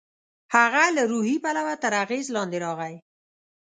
هغه له روحي پلوه تر اغېز لاندې راغی.